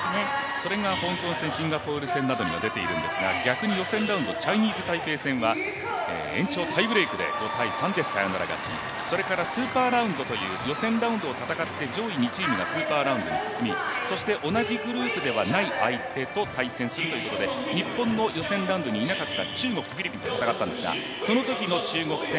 それが香港戦、シンガポール戦では出ているんですが逆に予選ラウンドチャイニーズ・タイペイ戦は延長タイブレークで５−３でサヨナラ勝ちそれからスーパーラウンドという上位２チームがスーパーラウンドに進み同じグループではない相手と対戦するということで、日本の予選ラウンドにはいなかった中国とフィリピンと戦ったんですがそのときの中国戦